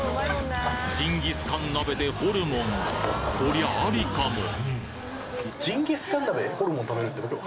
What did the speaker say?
ジンギスカン鍋でホルモンこりゃアリかも！？